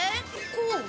こう？